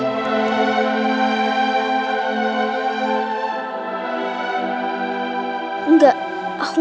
udah mulai lagi nyariin aku